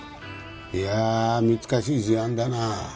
いやあ難しい事案だな。